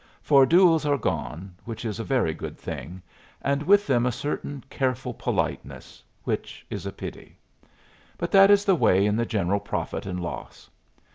For duels are gone, which is a very good thing, and with them a certain careful politeness, which is a pity; but that is the way in the general profit and loss.